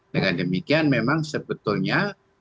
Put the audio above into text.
dengan demikian memang sebetulnya